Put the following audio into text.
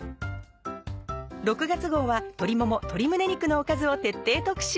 ６月号は鶏もも鶏胸肉のおかずを徹底特集。